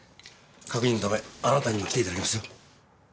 確認のためあなたにも来ていただきますよ。